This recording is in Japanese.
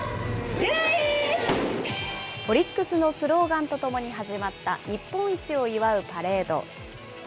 オリックスのスローガンとともに始まった日本一を祝うパレード。